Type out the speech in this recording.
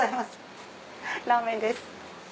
ラーメンです。